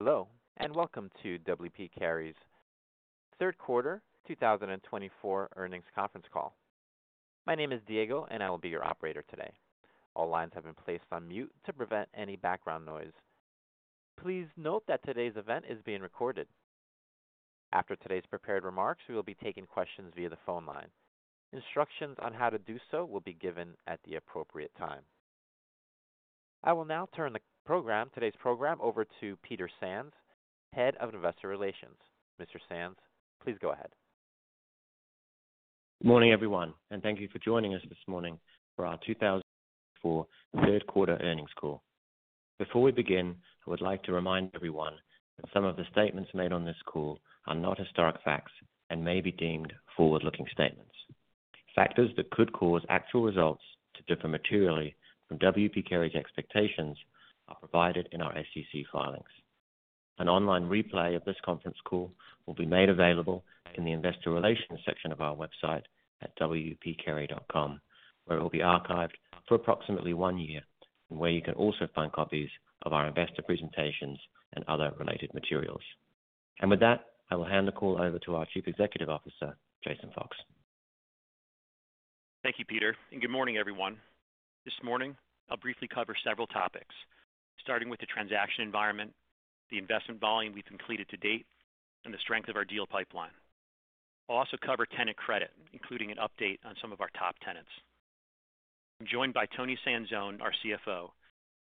Hello, and welcome to W. P. Carey's Third Quarter 2024 Earnings Conference Call. My name is Diego, and I will be your operator today. All lines have been placed on mute to prevent any background noise. Please note that today's event is being recorded. After today's prepared remarks, we will be taking questions via the phone line. Instructions on how to do so will be given at the appropriate time. I will now turn today's program over to Peter Sands, Head of Investor Relations. Mr. Sands, please go ahead. Good morning, everyone, and thank you for joining us this morning for our Third Quarter Earnings Call. Before we begin, I would like to remind everyone that some of the statements made on this call are not historic facts and may be deemed forward-looking statements. Factors that could cause actual results to differ materially from W. P. Carey's expectations are provided in our SEC filings. An online replay of this conference call will be made available in the Investor Relations section of our website at wpcarey.com, where it will be archived for approximately one year, and where you can also find copies of our investor presentations and other related materials. And with that, I will hand the call over to our Chief Executive Officer, Jason Fox. Thank you, Peter, and good morning, everyone. This morning, I'll briefly cover several topics, starting with the transaction environment, the investment volume we've completed to date, and the strength of our deal pipeline. I'll also cover tenant credit, including an update on some of our top tenants. I'm joined by Toni Sanzone, our CFO,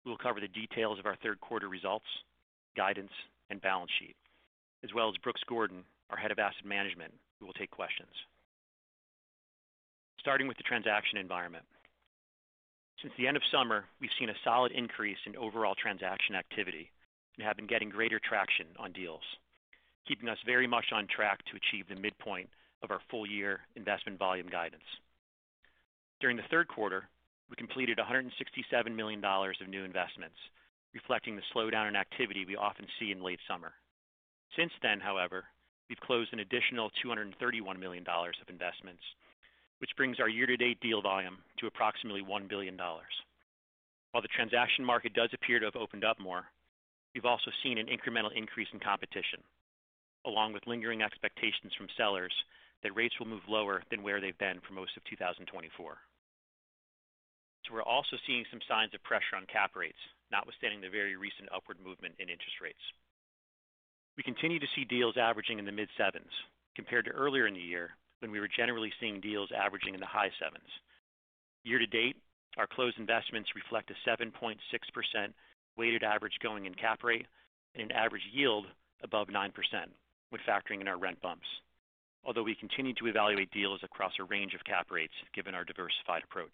who will cover the details of our third quarter results, guidance, and balance sheet, as well as Brooks Gordon, our Head of Asset Management, who will take questions. Starting with the transaction environment, since the end of summer, we've seen a solid increase in overall transaction activity and have been getting greater traction on deals, keeping us very much on track to achieve the midpoint of our full-year investment volume guidance. During the third quarter, we completed $167 million of new investments, reflecting the slowdown in activity we often see in late summer. Since then, however, we've closed an additional $231 million of investments, which brings our year-to-date deal volume to approximately $1 billion. While the transaction market does appear to have opened up more, we've also seen an incremental increase in competition, along with lingering expectations from sellers that rates will move lower than where they've been for most of 2024. So we're also seeing some signs of pressure on cap rates, notwithstanding the very recent upward movement in interest rates. We continue to see deals averaging in the mid-sevens compared to earlier in the year when we were generally seeing deals averaging in the high sevens. Year-to-date, our closed investments reflect a 7.6% weighted average going in cap rate and an average yield above 9%, when factoring in our rent bumps, although we continue to evaluate deals across a range of cap rates given our diversified approach.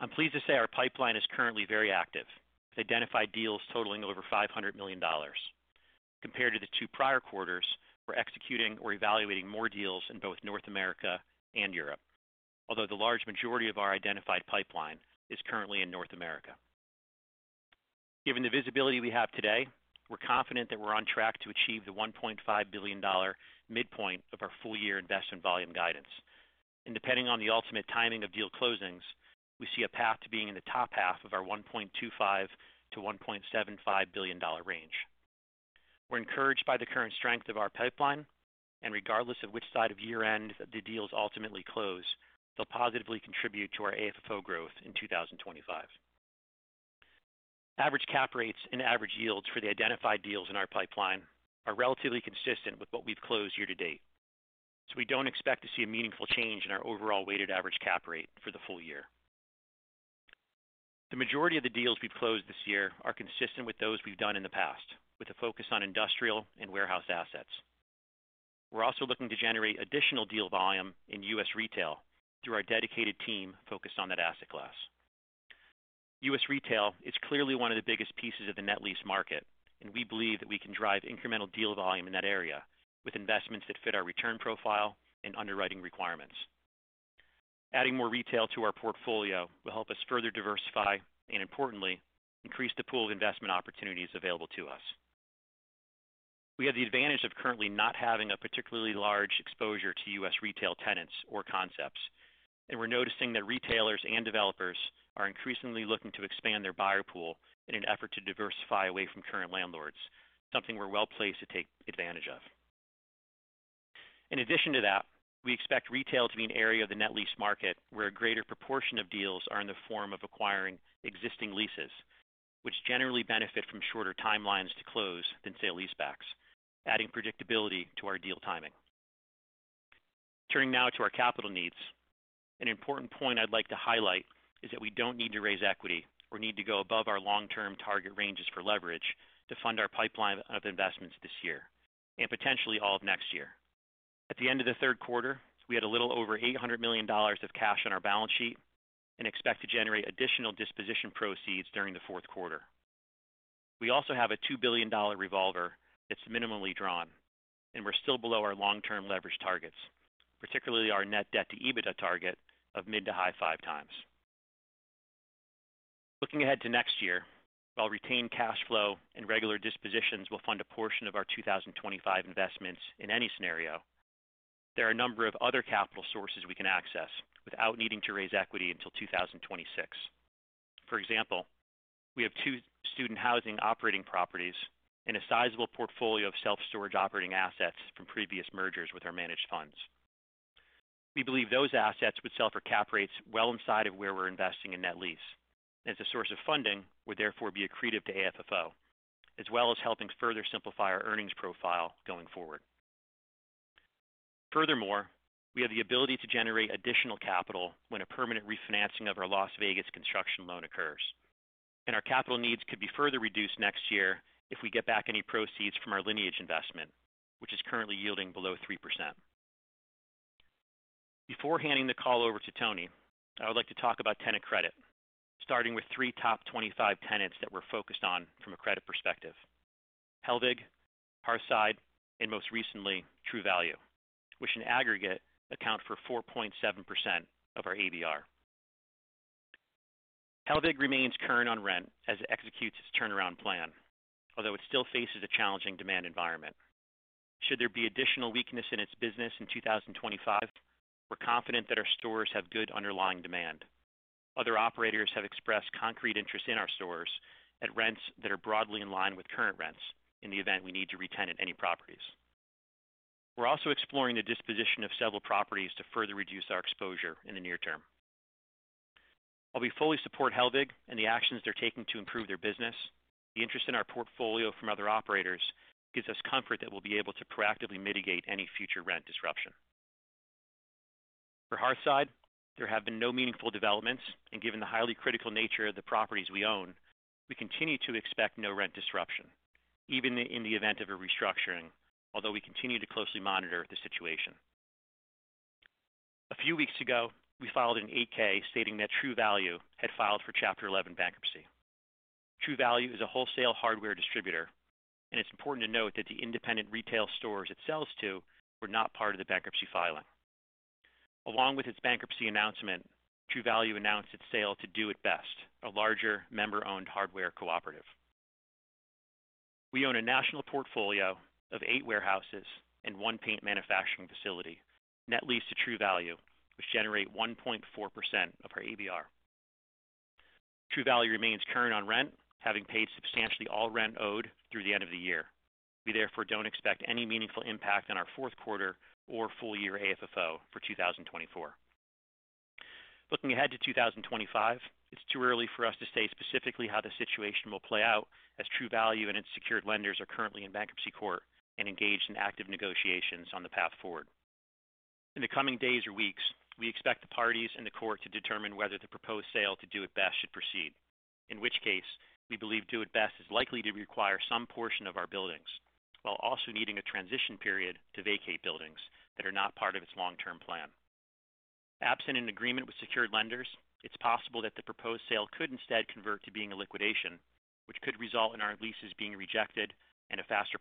I'm pleased to say our pipeline is currently very active, with identified deals totaling over $500 million. Compared to the two prior quarters, we're executing or evaluating more deals in both North America and Europe, although the large majority of our identified pipeline is currently in North America. Given the visibility we have today, we're confident that we're on track to achieve the $1.5 billion midpoint of our full-year investment volume guidance. And depending on the ultimate timing of deal closings, we see a path to being in the top half of our $1.25-$1.75 billion range. We're encouraged by the current strength of our pipeline, and regardless of which side of year-end the deals ultimately close, they'll positively contribute to our AFFO growth in 2025. Average cap rates and average yields for the identified deals in our pipeline are relatively consistent with what we've closed year-to-date, so we don't expect to see a meaningful change in our overall weighted average cap rate for the full-year. The majority of the deals we've closed this year are consistent with those we've done in the past, with a focus on industrial and warehouse assets. We're also looking to generate additional deal volume in U.S. retail through our dedicated team focused on that asset class. U.S. retail is clearly one of the biggest pieces of the net lease market, and we believe that we can drive incremental deal volume in that area with investments that fit our return profile and underwriting requirements. Adding more retail to our portfolio will help us further diversify and, importantly, increase the pool of investment opportunities available to us. We have the advantage of currently not having a particularly large exposure to U.S. retail tenants or concepts, and we're noticing that retailers and developers are increasingly looking to expand their buyer pool in an effort to diversify away from current landlords, something we're well placed to take advantage of. In addition to that, we expect retail to be an area of the net lease market where a greater proportion of deals are in the form of acquiring existing leases, which generally benefit from shorter timelines to close than say leasebacks, adding predictability to our deal timing. Turning now to our capital needs, an important point I'd like to highlight is that we don't need to raise equity or need to go above our long-term target ranges for leverage to fund our pipeline of investments this year and potentially all of next year. At the end of the third quarter, we had a little over $800 million of cash on our balance sheet and expect to generate additional disposition proceeds during the fourth quarter. We also have a $2 billion revolver that's minimally drawn, and we're still below our long-term leverage targets, particularly our net debt to EBITDA target of mid to high five times. Looking ahead to next year, while retained cash flow and regular dispositions will fund a portion of our 2025 investments in any scenario, there are a number of other capital sources we can access without needing to raise equity until 2026. For example, we have two student housing operating properties and a sizable portfolio of self-storage operating assets from previous mergers with our managed funds. We believe those assets would sell for cap rates well inside of where we're investing in net lease, and as a source of funding, would therefore be accretive to AFFO, as well as helping further simplify our earnings profile going forward. Furthermore, we have the ability to generate additional capital when a permanent refinancing of our Las Vegas construction loan occurs, and our capital needs could be further reduced next year if we get back any proceeds from our Lineage investment, which is currently yielding below 3%. Before handing the call over to Toni, I would like to talk about tenant credit, starting with three top 25 tenants that we're focused on from a credit perspective: Hellweg, Parkside, and most recently, True Value, which in aggregate account for 4.7% of our ABR. Hellweg remains current on rent as it executes its turnaround plan, although it still faces a challenging demand environment. Should there be additional weakness in its business in 2025, we're confident that our stores have good underlying demand. Other operators have expressed concrete interest in our stores at rents that are broadly in line with current rents in the event we need to retent any properties. We're also exploring the disposition of several properties to further reduce our exposure in the near term. While we fully support Hellweg and the actions they're taking to improve their business, the interest in our portfolio from other operators gives us comfort that we'll be able to proactively mitigate any future rent disruption. For Parkside, there have been no meaningful developments, and given the highly critical nature of the properties we own, we continue to expect no rent disruption, even in the event of a restructuring, although we continue to closely monitor the situation. A few weeks ago, we filed an 8-K stating that True Value had filed for Chapter 11 bankruptcy. True Value is a wholesale hardware distributor, and it's important to note that the independent retail stores it sells to were not part of the bankruptcy filing. Along with its bankruptcy announcement, True Value announced its sale to Do It Best, a larger member-owned hardware cooperative. We own a national portfolio of eight warehouses and one paint manufacturing facility, net lease to True Value, which generate 1.4% of our ABR. True Value remains current on rent, having paid substantially all rent owed through the end of the year. We therefore don't expect any meaningful impact on our fourth quarter or full-year AFFO for 2024. Looking ahead to 2025, it's too early for us to say specifically how the situation will play out as True Value and its secured lenders are currently in bankruptcy court and engaged in active negotiations on the path forward. In the coming days or weeks, we expect the parties and the court to determine whether the proposed sale to Do It Best should proceed, in which case we believe Do It Best is likely to require some portion of our buildings, while also needing a transition period to vacate buildings that are not part of its long-term plan. Absent an agreement with secured lenders, it's possible that the proposed sale could instead convert to being a liquidation, which could result in our leases being rejected and a faster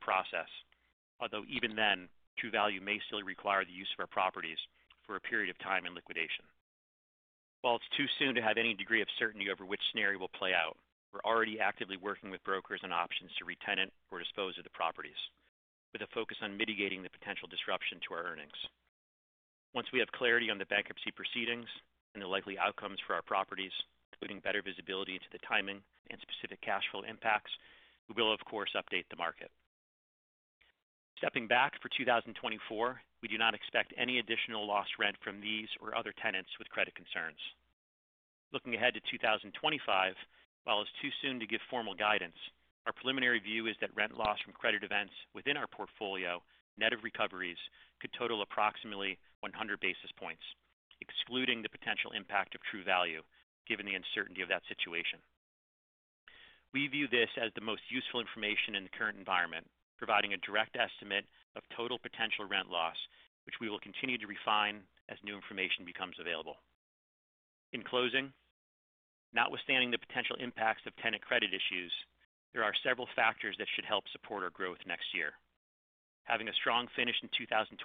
process, although even then True Value may still require the use of our properties for a period of time in liquidation. While it's too soon to have any degree of certainty over which scenario will play out, we're already actively working with brokers on options to retain or dispose of the properties, with a focus on mitigating the potential disruption to our earnings. Once we have clarity on the bankruptcy proceedings and the likely outcomes for our properties, including better visibility into the timing and specific cash flow impacts, we will, of course, update the market. Stepping back for 2024, we do not expect any additional lost rent from these or other tenants with credit concerns. Looking ahead to 2025, while it's too soon to give formal guidance, our preliminary view is that rent loss from credit events within our portfolio net of recoveries could total approximately 100 basis points, excluding the potential impact of True Value, given the uncertainty of that situation. We view this as the most useful information in the current environment, providing a direct estimate of total potential rent loss, which we will continue to refine as new information becomes available. In closing, notwithstanding the potential impacts of tenant credit issues, there are several factors that should help support our growth next year. Having a strong finish in 2024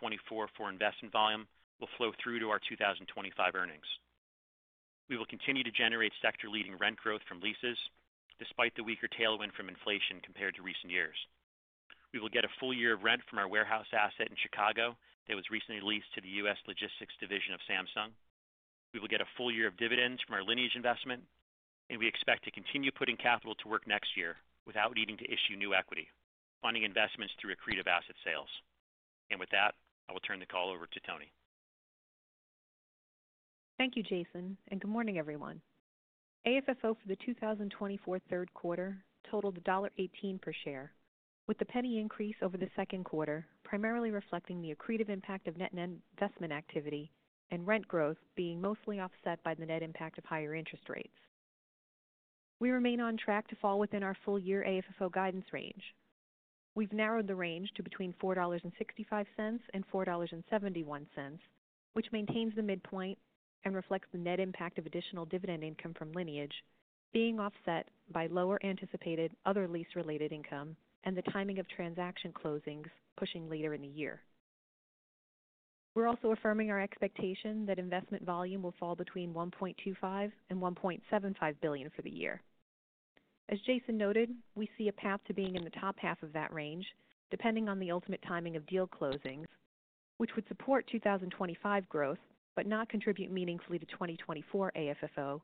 for investment volume will flow through to our 2025 earnings. We will continue to generate sector-leading rent growth from leases, despite the weaker tailwind from inflation compared to recent years. We will get a full-year of rent from our warehouse asset in Chicago that was recently leased to the U.S. logistics division of Samsung. We will get a full-year of dividends from our Lineage investment, and we expect to continue putting capital to work next year without needing to issue new equity, funding investments through accretive asset sales, and with that, I will turn the call over to Toni. Thank you, Jason, and good morning, everyone. AFFO for the 2024 third quarter totaled $1.18 per share, with the penny increase over the second quarter primarily reflecting the accretive impact of net investment activity and rent growth being mostly offset by the net impact of higher interest rates. We remain on track to fall within our full-year AFFO guidance range. We've narrowed the range to between $4.65 and $4.71, which maintains the midpoint and reflects the net impact of additional dividend income from Lineage being offset by lower anticipated other lease-related income and the timing of transaction closings pushing later in the year. We're also affirming our expectation that investment volume will fall between $1.25 and $1.75 billion for the year. As Jason noted, we see a path to being in the top half of that range, depending on the ultimate timing of deal closings, which would support 2025 growth but not contribute meaningfully to 2024 AFFO,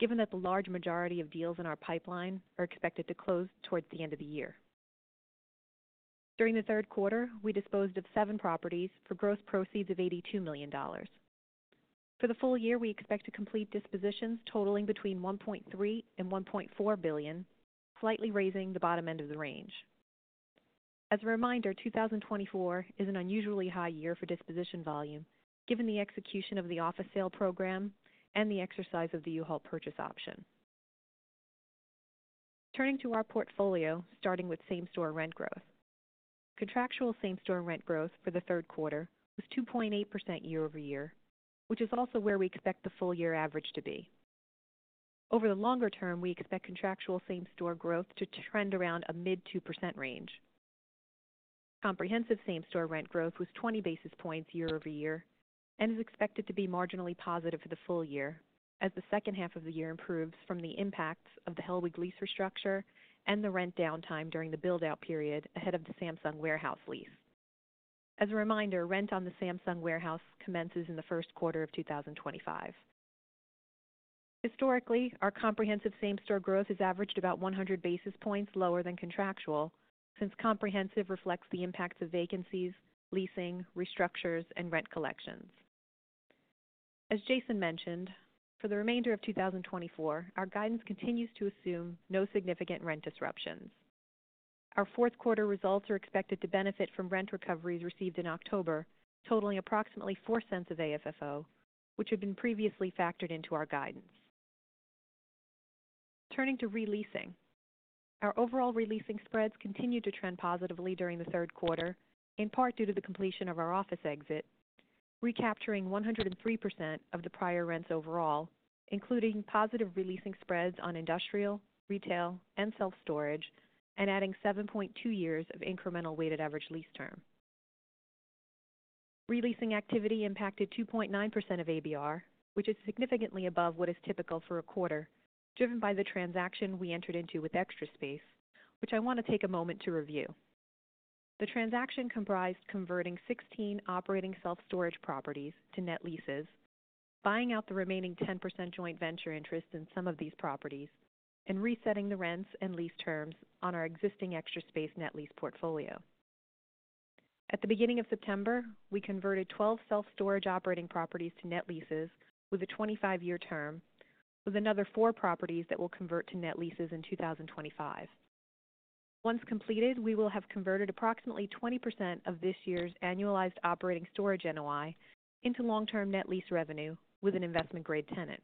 given that the large majority of deals in our pipeline are expected to close towards the end of the year. During the third quarter, we disposed of seven properties for gross proceeds of $82 million. For the full-year, we expect to complete dispositions totaling between $1.3 billion and $1.4 billion, slightly raising the bottom end of the range. As a reminder, 2024 is an unusually high year for disposition volume, given the execution of the office sale program and the exercise of the U-Haul purchase option. Turning to our portfolio, starting with same-store rent growth. Contractual same-store rent growth for the third quarter was 2.8% year-over-year, which is also where we expect the full-year average to be. Over the longer term, we expect contractual same-store growth to trend around a mid-2% range. Comprehensive same-store rent growth was 20 basis points year-over-year and is expected to be marginally positive for the full-year as the second half of the year improves from the impacts of the Hellweg lease restructure and the rent downtime during the build-out period ahead of the Samsung warehouse lease. As a reminder, rent on the Samsung warehouse commences in the first quarter of 2025. Historically, our comprehensive same-store growth has averaged about 100 basis points lower than contractual since comprehensive reflects the impacts of vacancies, leasing, restructures, and rent collections. As Jason mentioned, for the remainder of 2024, our guidance continues to assume no significant rent disruptions. Our fourth quarter results are expected to benefit from rent recoveries received in October, totaling approximately $0.04 of AFFO, which had been previously factored into our guidance. Turning to releasing, our overall releasing spreads continue to trend positively during the third quarter, in part due to the completion of our office exit, recapturing 103% of the prior rents overall, including positive releasing spreads on industrial, retail, and self-storage, and adding 7.2 years of incremental weighted average lease term. Releasing activity impacted 2.9% of ABR, which is significantly above what is typical for a quarter, driven by the transaction we entered into with Extra Space, which I want to take a moment to review. The transaction comprised converting 16 operating self-storage properties to net leases, buying out the remaining 10% joint venture interest in some of these properties, and resetting the rents and lease terms on our existing Extra Space net lease portfolio. At the beginning of September, we converted 12 self-storage operating properties to net leases with a 25-year term, with another four properties that will convert to net leases in 2025. Once completed, we will have converted approximately 20% of this year's annualized operating storage NOI into long-term net lease revenue with an investment-grade tenant.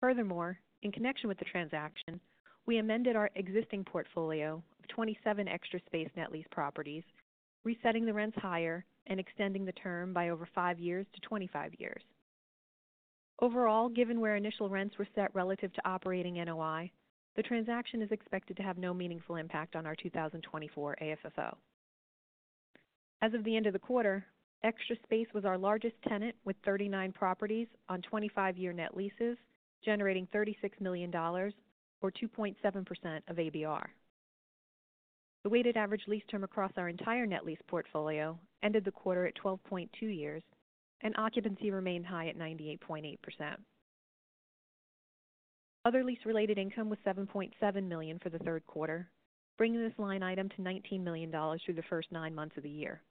Furthermore, in connection with the transaction, we amended our existing portfolio of 27 Extra Space net lease properties, resetting the rents higher and extending the term by over five years to 25 years. Overall, given where initial rents were set relative to operating NOI, the transaction is expected to have no meaningful impact on our 2024 AFFO. As of the end of the quarter, Extra Space was our largest tenant with 39 properties on 25-year net leases, generating $36 million, or 2.7% of ABR. The weighted average lease term across our entire net lease portfolio ended the quarter at 12.2 years, and occupancy remained high at 98.8%. Other lease-related income was $7.7 million for the third quarter, bringing this line item to $19 million through the first nine months of the year.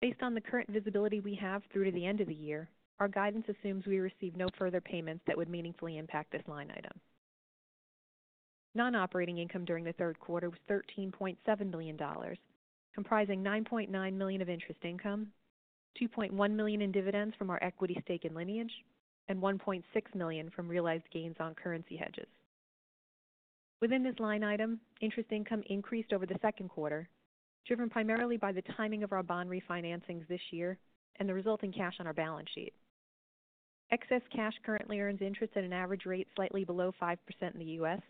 Based on the current visibility we have through to the end of the year, our guidance assumes we receive no further payments that would meaningfully impact this line item. Non-operating income during the third quarter was $13.7 million, comprising $9.9 million of interest income, $2.1 million in dividends from our equity stake in Lineage, and $1.6 million from realized gains on currency hedges. Within this line item, interest income increased over the second quarter, driven primarily by the timing of our bond refinancings this year and the resulting cash on our balance sheet. Excess cash currently earns interest at an average rate slightly below 5% in the U.S.,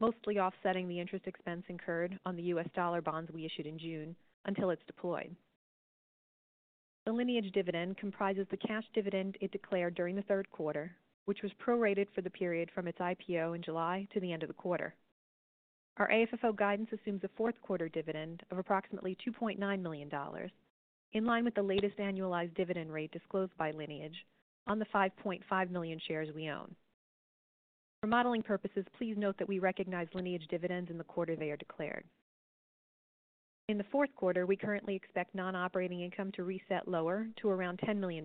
mostly offsetting the interest expense incurred on the U.S. dollar bonds we issued in June until it's deployed. The Lineage dividend comprises the cash dividend it declared during the third quarter, which was prorated for the period from its IPO in July to the end of the quarter. Our AFFO guidance assumes a fourth quarter dividend of approximately $2.9 million, in line with the latest annualized dividend rate disclosed by Lineage on the 5.5 million shares we own. For modeling purposes, please note that we recognize Lineage dividends in the quarter they are declared. In the fourth quarter, we currently expect non-operating income to reset lower to around $10 million,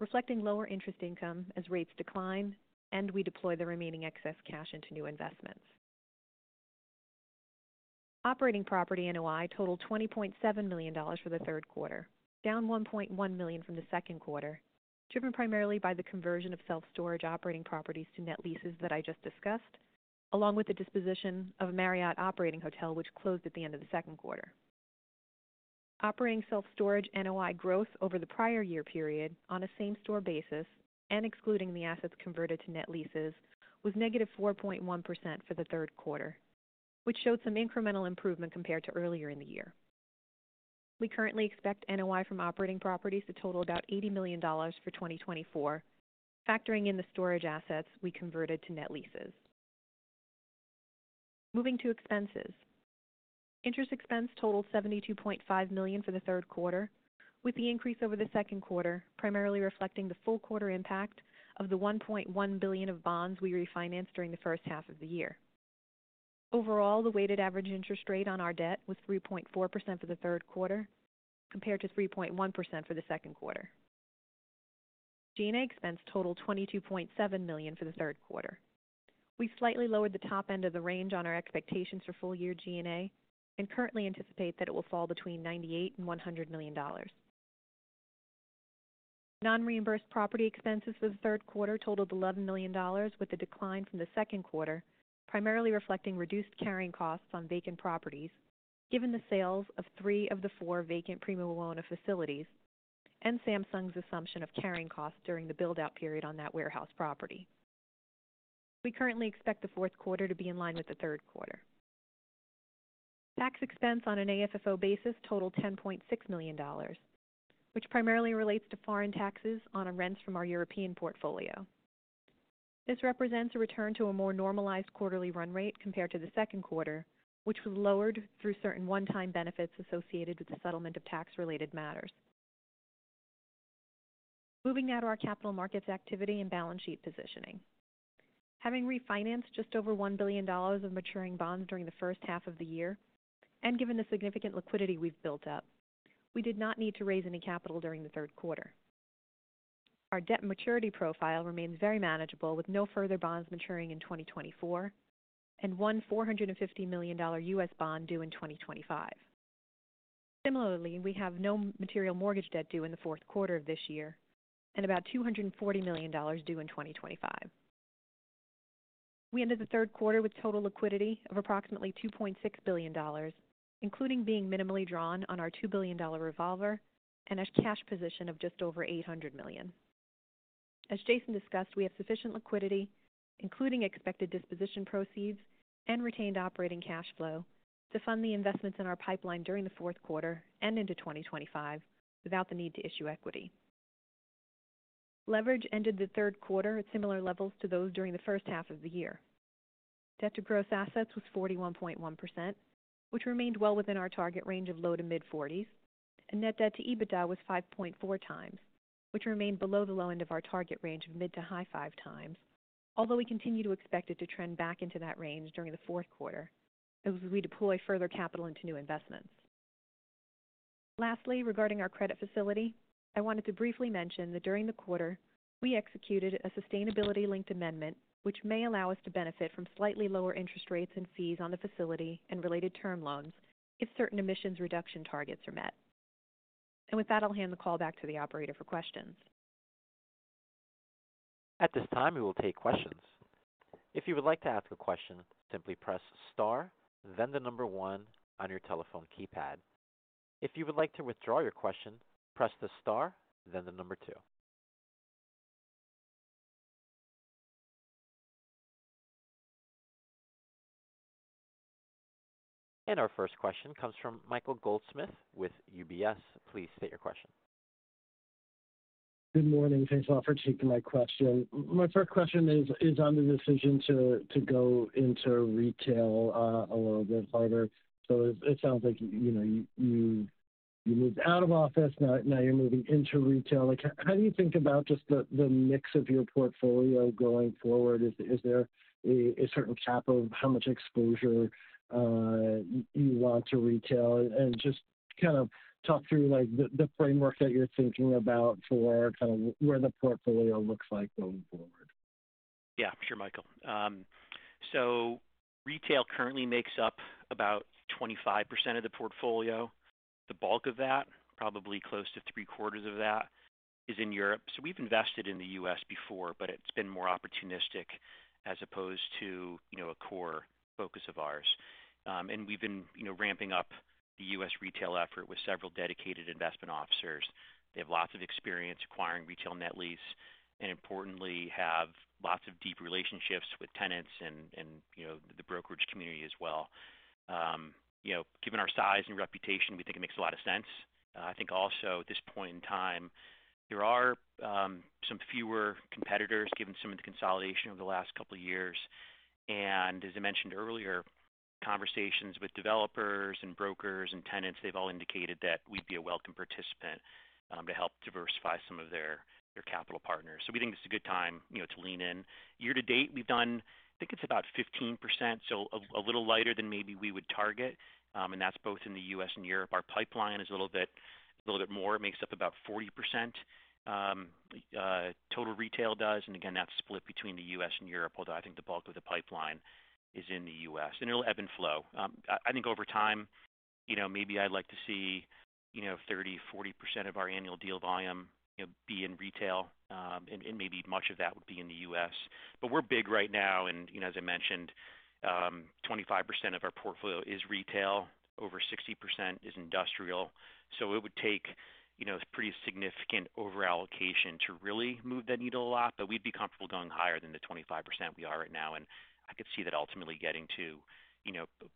reflecting lower interest income as rates decline and we deploy the remaining excess cash into new investments. Operating property NOI totaled $20.7 million for the third quarter, down $1.1 million from the second quarter, driven primarily by the conversion of self-storage operating properties to net leases that I just discussed, along with the disposition of a Marriott operating hotel which closed at the end of the second quarter. Operating self-storage NOI growth over the prior year period on a same-store basis, and excluding the assets converted to net leases, was negative 4.1% for the third quarter, which showed some incremental improvement compared to earlier in the year. We currently expect NOI from operating properties to total about $80 million for 2024, factoring in the storage assets we converted to net leases. Moving to expenses, interest expense totaled $72.5 million for the third quarter, with the increase over the second quarter primarily reflecting the full quarter impact of the $1.1 billion of bonds we refinanced during the first half of the year. Overall, the weighted average interest rate on our debt was 3.4% for the third quarter, compared to 3.1% for the second quarter. G&A expense totaled $22.7 million for the third quarter. We've slightly lowered the top end of the range on our expectations for full-year G&A and currently anticipate that it will fall between $98 and $100 million. Non-reimbursed property expenses for the third quarter totaled $11 million, with a decline from the second quarter, primarily reflecting reduced carrying costs on vacant properties, given the sales of three of the four vacant premium WNA facilities and Samsung's assumption of carrying costs during the build-out period on that warehouse property. We currently expect the fourth quarter to be in line with the third quarter. Tax expense on an AFFO basis totaled $10.6 million, which primarily relates to foreign taxes on our rents from our European portfolio. This represents a return to a more normalized quarterly run rate compared to the second quarter, which was lowered through certain one-time benefits associated with the settlement of tax-related matters. Moving now to our capital markets activity and balance sheet positioning. Having refinanced just over $1 billion of maturing bonds during the first half of the year, and given the significant liquidity we've built up, we did not need to raise any capital during the third quarter. Our debt maturity profile remains very manageable, with no further bonds maturing in 2024 and one $450 million U.S. bond due in 2025. Similarly, we have no material mortgage debt due in the fourth quarter of this year and about $240 million due in 2025. We ended the third quarter with total liquidity of approximately $2.6 billion, including being minimally drawn on our $2 billion revolver and a cash position of just over $800 million. As Jason discussed, we have sufficient liquidity, including expected disposition proceeds and retained operating cash flow, to fund the investments in our pipeline during the fourth quarter and into 2025 without the need to issue equity. Leverage ended the third quarter at similar levels to those during the first half of the year. Debt to gross assets was 41.1%, which remained well within our target range of low to mid-40s, and net debt to EBITDA was 5.4 times, which remained below the low end of our target range of mid to high five times, although we continue to expect it to trend back into that range during the fourth quarter as we deploy further capital into new investments. Lastly, regarding our credit facility, I wanted to briefly mention that during the quarter, we executed a sustainability-linked amendment which may allow us to benefit from slightly lower interest rates and fees on the facility and related term loans if certain emissions reduction targets are met. And with that, I'll hand the call back to the operator for questions. At this time, we will take questions. If you would like to ask a question, simply press star, then the number one on your telephone keypad. If you would like to withdraw your question, press the star, then the number two. And our first question comes from Michael Goldsmith with UBS. Please state your question. Good morning. Thanks a lot for taking my question. My first question is on the decision to go into retail a little bit further. So it sounds like you moved out of office, now you're moving into retail. How do you think about just the mix of your portfolio going forward? Is there a certain cap of how much exposure you want to retail? And just kind of talk through the framework that you're thinking about for kind of where the portfolio looks like going forward. Yeah, sure, Michael. So retail currently makes up about 25% of the portfolio. The bulk of that, probably close to three-quarters of that, is in Europe. So we've invested in the U.S. before, but it's been more opportunistic as opposed to a core focus of ours. And we've been ramping up the U.S. retail effort with several dedicated investment officers. They have lots of experience acquiring retail net lease and, importantly, have lots of deep relationships with tenants and the brokerage community as well. Given our size and reputation, we think it makes a lot of sense. I think also at this point in time, there are some fewer competitors given some of the consolidation over the last couple of years. And as I mentioned earlier, conversations with developers and brokers and tenants, they've all indicated that we'd be a welcome participant to help diversify some of their capital partners. So we think it's a good time to lean in. Year to date, we've done, I think it's about 15%, so a little lighter than maybe we would target. And that's both in the U.S. and Europe. Our pipeline is a little bit more. It makes up about 40% total retail does. And again, that's split between the U.S. and Europe, although I think the bulk of the pipeline is in the U.S. And it'll ebb and flow. I think over time, maybe I'd like to see 30%-40% of our annual deal volume be in retail, and maybe much of that would be in the U.S. But we're big right now. And as I mentioned, 25% of our portfolio is retail. Over 60% is industrial. So it would take a pretty significant overallocation to really move that needle a lot, but we'd be comfortable going higher than the 25% we are right now. And I could see that ultimately getting to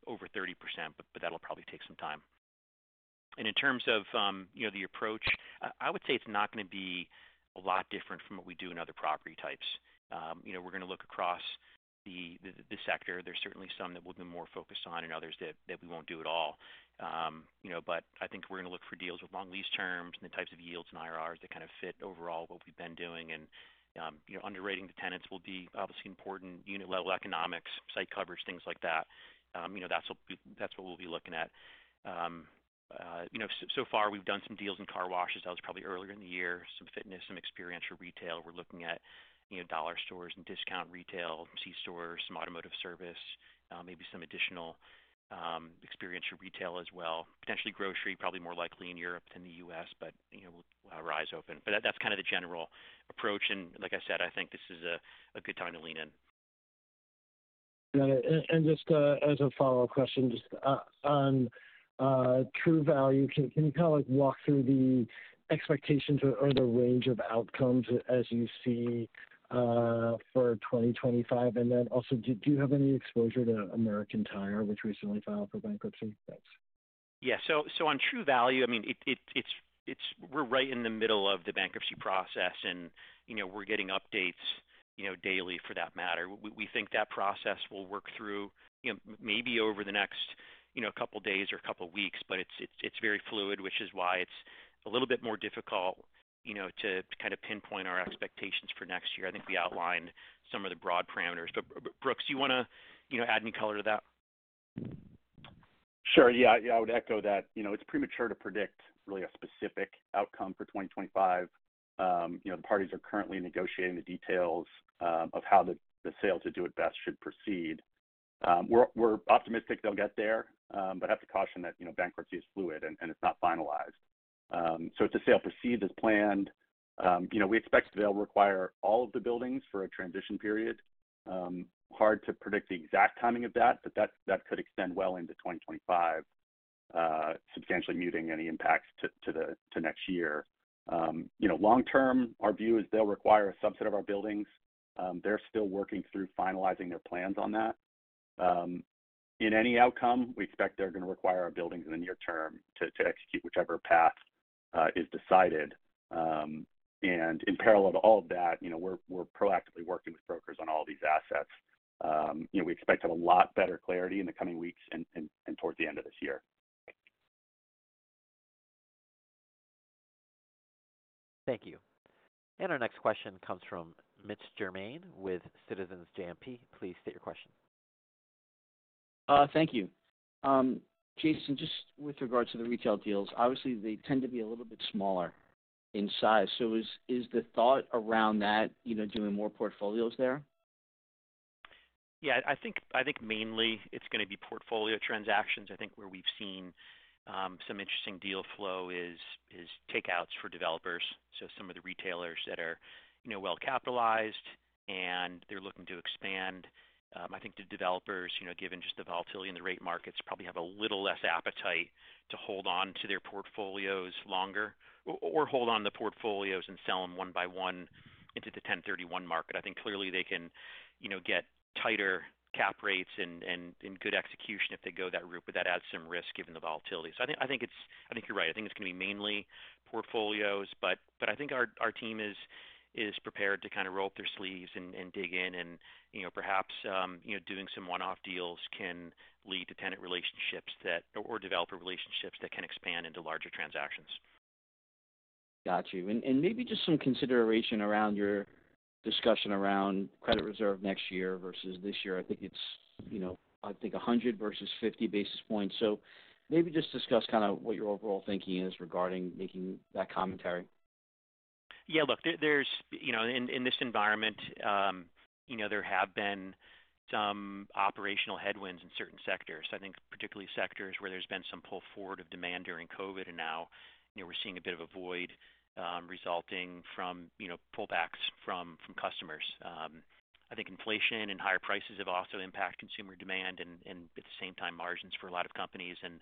over 30%, but that'll probably take some time. And in terms of the approach, I would say it's not going to be a lot different from what we do in other property types. We're going to look across the sector. There's certainly some that we'll be more focused on and others that we won't do at all. But I think we're going to look for deals with long lease terms and the types of yields and IRRs that kind of fit overall what we've been doing. And underwriting the tenants will be obviously important. Unit-level economics, site coverage, things like that. That's what we'll be looking at. So far, we've done some deals in car washes. That was probably earlier in the year. Some fitness, some experiential retail. We're looking at dollar stores and discount retail, C-stores, some automotive service, maybe some additional experiential retail as well. Potentially grocery, probably more likely in Europe than the U.S., but we'll have our eyes open, but that's kind of the general approach and like I said, I think this is a good time to lean in. And just as a follow-up question, just on True Value, can you kind of walk through the expectations or the range of outcomes as you see for 2025 and then also, do you have any exposure to American Tire, which recently filed for bankruptcy? Thanks. Yeah, so on True Value, I mean, we're right in the middle of the bankruptcy process, and we're getting updates daily for that matter. We think that process will work through maybe over the next couple of days or a couple of weeks, but it's very fluid, which is why it's a little bit more difficult to kind of pinpoint our expectations for next year. I think we outlined some of the broad parameters, but Brooks, do you want to add any color to that? Sure. Yeah. I would echo that. It's premature to predict really a specific outcome for 2025. The parties are currently negotiating the details of how the sales to Do It Best should proceed. We're optimistic they'll get there, but I have to caution that bankruptcy is fluid and it's not finalized, so it's a sale perceived as planned. We expect they'll require all of the buildings for a transition period. Hard to predict the exact timing of that, but that could extend well into 2025, substantially muting any impacts to next year. Long-term, our view is they'll require a subset of our buildings. They're still working through finalizing their plans on that. In any outcome, we expect they're going to require our buildings in the near term to execute whichever path is decided. And in parallel to all of that, we're proactively working with brokers on all these assets. We expect to have a lot better clarity in the coming weeks and towards the end of this year. Thank you. And our next question comes from Mitch Germain with Citizens JMP. Please state your question. Thank you. Jason, just with regards to the retail deals, obviously they tend to be a little bit smaller in size. So is the thought around that doing more portfolios there? Yeah. I think mainly it's going to be portfolio transactions. I think where we've seen some interesting deal flow is takeouts for developers. So, some of the retailers that are well-capitalized and they're looking to expand. I think the developers, given just the volatility in the rate markets, probably have a little less appetite to hold on to their portfolios longer or hold on the portfolios and sell them one by one into the 1031 market. I think clearly they can get tighter cap rates and good execution if they go that route, but that adds some risk given the volatility. So I think you're right. I think it's going to be mainly portfolios, but I think our team is prepared to kind of roll up their sleeves and dig in. And perhaps doing some one-off deals can lead to tenant relationships or developer relationships that can expand into larger transactions. Got you. And maybe just some consideration around your discussion around credit reserve next year versus this year. I think it's 100 versus 50 basis points. So maybe just discuss kind of what your overall thinking is regarding making that commentary. Yeah. Look, in this environment, there have been some operational headwinds in certain sectors. I think particularly sectors where there's been some pull forward of demand during COVID, and now we're seeing a bit of a void resulting from pullbacks from customers. I think inflation and higher prices have also impacted consumer demand and at the same time margins for a lot of companies. And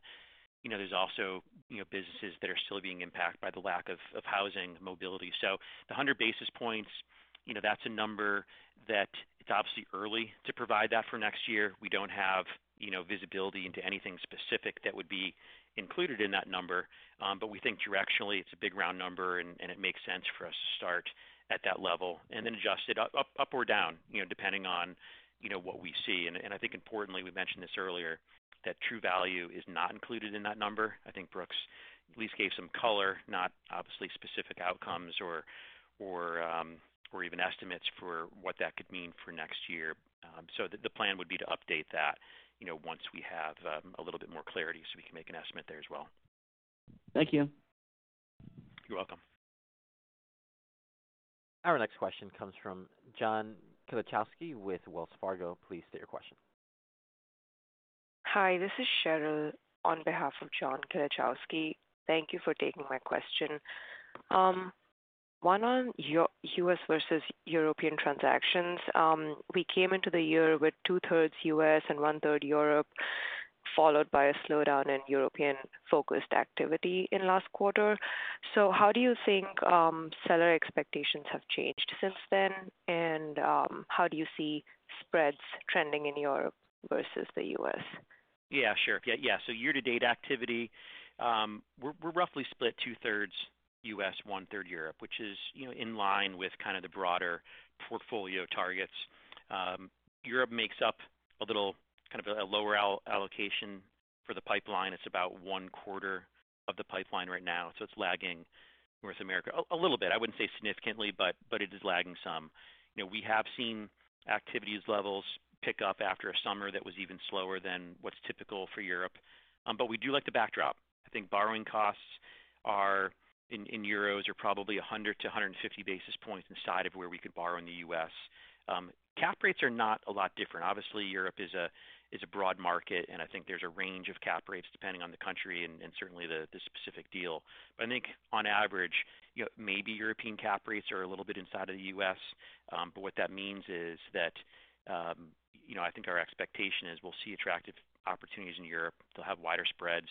there's also businesses that are still being impacted by the lack of housing, mobility. So the 100 basis points, that's a number that it's obviously early to provide that for next year. We don't have visibility into anything specific that would be included in that number, but we think directionally it's a big round number and it makes sense for us to start at that level and then adjust it up or down depending on what we see. And I think importantly, we mentioned this earlier, that True Value is not included in that number. I think Brooks at least gave some color, not obviously specific outcomes or even estimates for what that could mean for next year. So the plan would be to update that once we have a little bit more clarity so we can make an estimate there as well. Thank you. You're welcome. Our next question comes from John Kilichowski with Wells Fargo. Please state your question. Hi. This is Cheryl on behalf of John Kilichowski. Thank you for taking my question. One on U.S. versus European transactions. We came into the year with two-thirds U.S. and one-third Europe, followed by a slowdown in European-focused activity in last quarter. So how do you think seller expectations have changed since then, and how do you see spreads trending in Europe versus the U.S.? Yeah, sure. Yeah. So year-to-date activity, we're roughly split two-thirds U.S., one-third Europe, which is in line with kind of the broader portfolio targets. Europe makes up a little kind of a lower allocation for the pipeline. It's about one-quarter of the pipeline right now. So it's lagging North America a little bit. I wouldn't say significantly, but it is lagging some. We have seen activity levels pick up after a summer that was even slower than what's typical for Europe. But we do like the backdrop. I think borrowing costs in euros are probably 100-150 basis points inside of where we could borrow in the U.S. Cap rates are not a lot different. Obviously, Europe is a broad market, and I think there's a range of cap rates depending on the country and certainly the specific deal. But I think on average, maybe European cap rates are a little bit inside of the U.S. But what that means is that I think our expectation is we'll see attractive opportunities in Europe. They'll have wider spreads,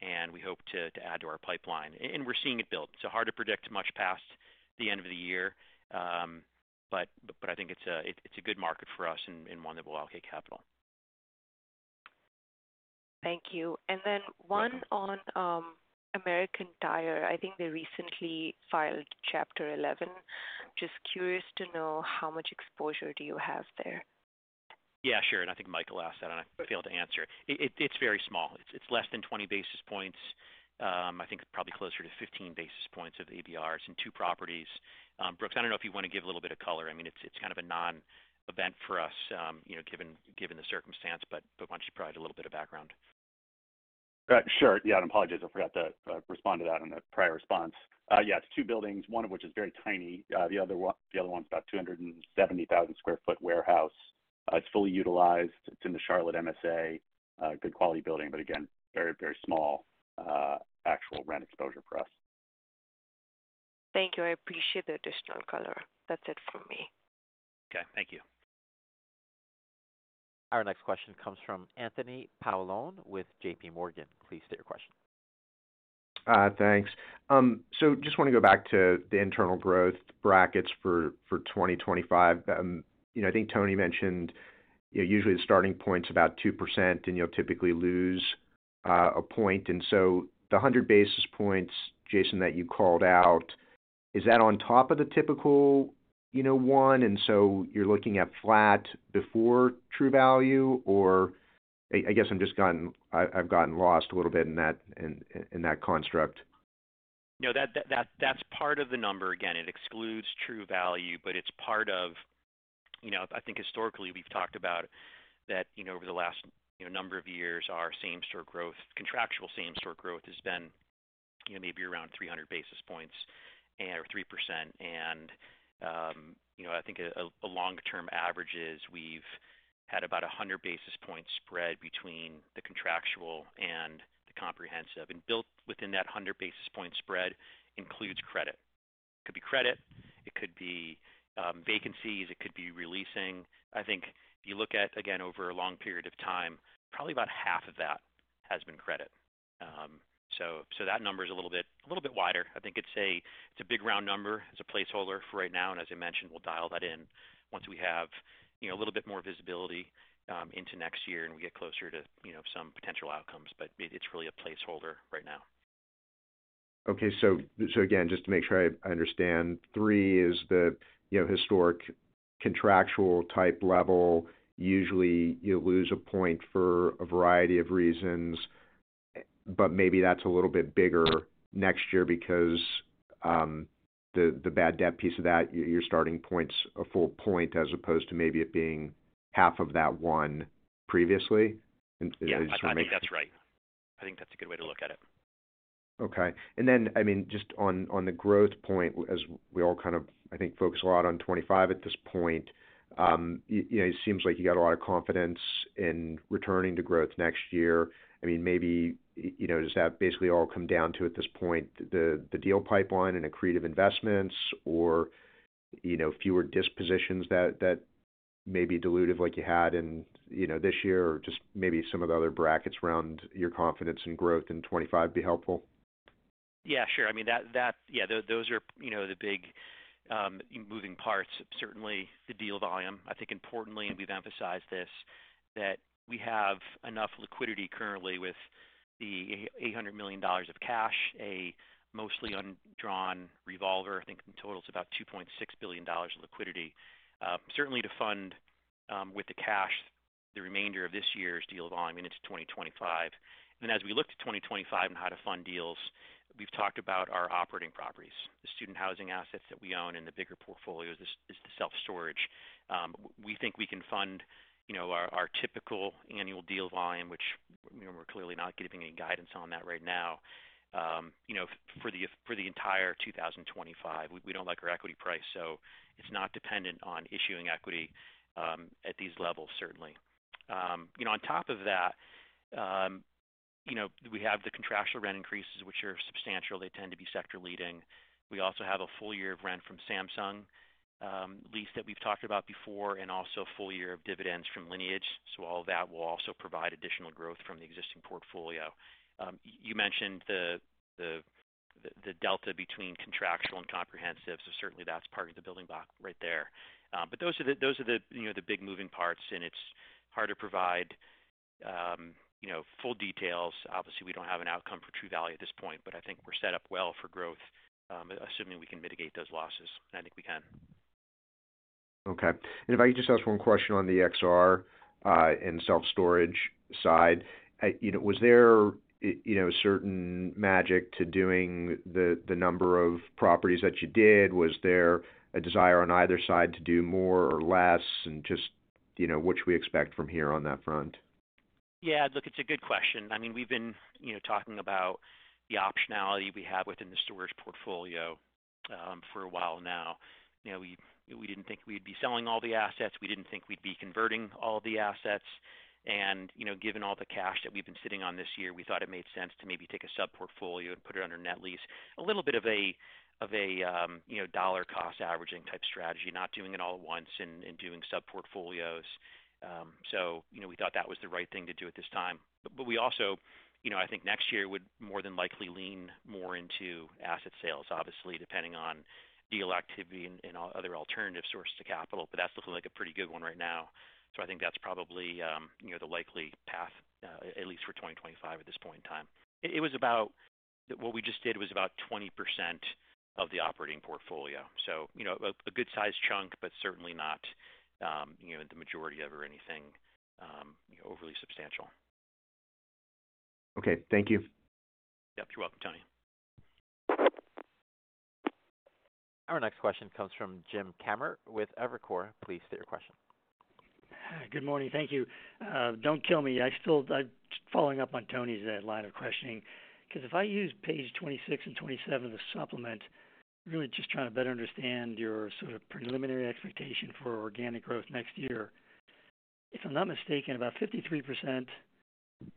and we hope to add to our pipeline. And we're seeing it build. It's hard to predict much past the end of the year, but I think it's a good market for us and one that will allocate capital. Thank you. And then one on American Tire. I think they recently filed Chapter 11. Just curious to know how much exposure do you have there? Yeah, sure. And I think Michael asked that, and I failed to answer. It's very small. It's less than 20 basis points. I think it's probably closer to 15 basis points of ABRs in two properties. Brooks, I don't know if you want to give a little bit of color. I mean, it's kind of a non-event for us given the circumstance, but why don't you provide a little bit of background? Sure. Yeah. And apologies. I forgot to respond to that in the prior response. Yeah. It's two buildings, one of which is very tiny. The other one's about 270,000 sq ft warehouse. It's fully utilized. It's in the Charlotte MSA. Good quality building, but again, very, very small actual rent exposure for us. Thank you. I appreciate the additional color. That's it for me. Okay. Thank you. Our next question comes from Anthony Paolone with J.P. Morgan. Please state your question. Thanks. So just want to go back to the internal growth brackets for 2025. I think Toni mentioned usually the starting point's about 2%, and you'll typically lose a point. And so the 100 basis points, Jason, that you called out, is that on top of the typical one? And so you're looking at flat before True Value, or I guess I've gotten lost a little bit in that construct. No, that's part of the number. Again, it excludes True Value, but it's part of. I think historically we've talked about that over the last number of years, our same-store growth, contractual same-store growth has been maybe around 300 basis points or 3%. And I think a long-term average is we've had about 100 basis points spread between the contractual and the comprehensive. And built within that 100 basis points spread includes credit. So it could be credit. It could be vacancies. It could be releasing. I think if you look at, again, over a long period of time, probably about half of that has been credit. So that number is a little bit wider. I think it's a big round number. It's a placeholder for right now. And as I mentioned, we'll dial that in once we have a little bit more visibility into next year and we get closer to some potential outcomes. But it's really a placeholder right now. Okay. So again, just to make sure I understand, three is the historic contractual type level. Usually, you lose a point for a variety of reasons, but maybe that's a little bit bigger next year because the bad debt piece of that, you're starting points a full point as opposed to maybe it being half of that one previously. Yeah. I think that's right. I think that's a good way to look at it. Okay. And then, I mean, just on the growth point, as we all kind of, I think, focus a lot on 2025 at this point, it seems like you got a lot of confidence in returning to growth next year. I mean, maybe does that basically all come down to at this point the deal pipeline and accretive investments or fewer dispositions that may be dilutive like you had in this year or just maybe some of the other brackets around your confidence in growth in 2025 be helpful? Yeah. Sure. I mean, yeah, those are the big moving parts. Certainly, the deal volume. I think importantly, and we've emphasized this, that we have enough liquidity currently with the $800 million of cash, a mostly undrawn revolver. I think in total it's about $2.6 billion of liquidity. Certainly, to fund with the cash the remainder of this year's deal volume, and it's 2025 and as we look to 2025 and how to fund deals, we've talked about our operating properties, the student housing assets that we own and the bigger portfolios, is the self-storage. We think we can fund our typical annual deal volume, which we're clearly not giving any guidance on that right now, for the entire 2025. We don't like our equity price, so it's not dependent on issuing equity at these levels, certainly. On top of that, we have the contractual rent increases, which are substantial. They tend to be sector-leading. We also have a full-year of rent from Samsung lease that we've talked about before and also a full-year of dividends from Lineage, so all of that will also provide additional growth from the existing portfolio. You mentioned the delta between contractual and comprehensive, so certainly that's part of the building block right there, but those are the big moving parts, and it's hard to provide full details. Obviously, we don't have an outcome for True Value at this point, but I think we're set up well for growth, assuming we can mitigate those losses, and I think we can. Okay, and if I could just ask one question on the XR and self-storage side, was there a certain magic to doing the number of properties that you did? Was there a desire on either side to do more or less, and just what should we expect from here on that front? Yeah. Look, it's a good question. I mean, we've been talking about the optionality we have within the storage portfolio for a while now. We didn't think we'd be selling all the assets. We didn't think we'd be converting all the assets. And given all the cash that we've been sitting on this year, we thought it made sense to maybe take a sub-portfolio and put it under net lease, a little bit of a dollar-cost averaging type strategy, not doing it all at once and doing sub-portfolios. So we thought that was the right thing to do at this time. But we also, I think, next year would more than likely lean more into asset sales, obviously, depending on deal activity and other alternative sources of capital. But that's looking like a pretty good one right now. So I think that's probably the likely path, at least for 2025 at this point in time. It was about what we just did, was about 20% of the operating portfolio. So a good-sized chunk, but certainly not the majority of or anything overly substantial. Okay. Thank you. Yep. You're welcome, Toni. Our next question comes from Jim Kammert with Evercore. Please state your question. Good morning. Thank you. Don't kill me. I'm following up on Toni's line of questioning because if I use page 26 and 27 of the supplement, really just trying to better understand your sort of preliminary expectation for organic growth next year. If I'm not mistaken, about 53%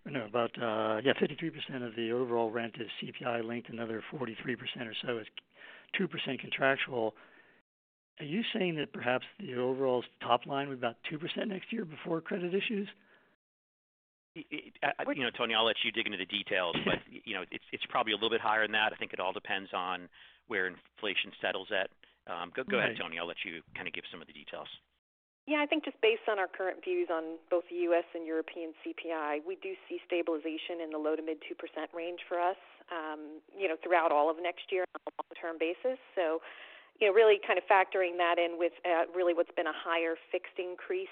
yeah, 53% of the overall rent is CPI-linked. Another 43% or so is 2% contractual. Are you saying that perhaps the overall top line would be about 2% next year before credit issues? Toni, I'll let you dig into the details, but it's probably a little bit higher than that. I think it all depends on where inflation settles at. Go ahead, Toni. I'll let you kind of give some of the details. Yeah. I think just based on our current views on both U.S. and European CPI, we do see stabilization in the low to mid-2% range for us throughout all of next year on a long-term basis. So really kind of factoring that in with really what's been a higher fixed increase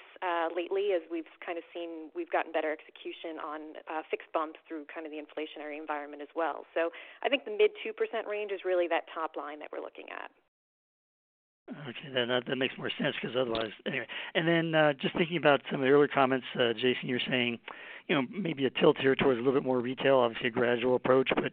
lately as we've kind of seen we've gotten better execution on fixed bumps through kind of the inflationary environment as well. So I think the mid-2% range is really that top line that we're looking at. Okay. That makes more sense because otherwise anyway. And then just thinking about some of the earlier comments, Jason, you're saying maybe a tilt here towards a little bit more retail, obviously a gradual approach. But